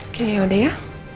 oke yaudah ya